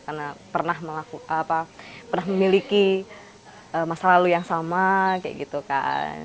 karena pernah memiliki masa lalu yang sama kayak gitu kan